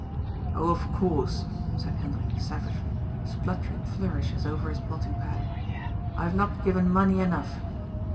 ''" Oh, of course," said Hendrik savagely, spluttering flourishes over his blotting pad, " I have not given money enough."